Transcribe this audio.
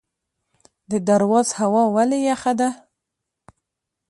د درواز هوا ولې یخه ده؟